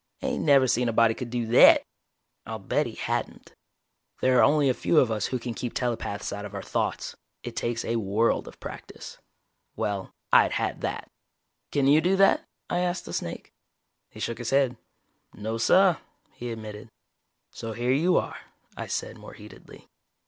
"Ain't never seen a body could do thet!" I'll bet he hadn't. There are only a few of us who can keep telepaths out of our thoughts. It takes a world of practice. Well, I'd had that. "Can you do that?" I asked the snake. He shook his head. "No, suh," he admitted. "So here you are," I said, more heatedly.